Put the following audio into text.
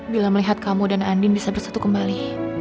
bila melihat kamu dan andin bisa bersatu kembali